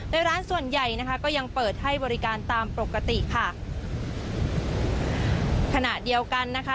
โดยร้านส่วนใหญ่นะคะก็ยังเปิดให้บริการตามปกติค่ะขณะเดียวกันนะคะ